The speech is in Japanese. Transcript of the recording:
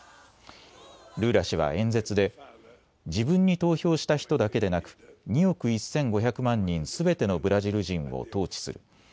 ルーラ氏は演説で自分に投票した人だけでなく２億１５００万人すべてのブラジル人を統治する。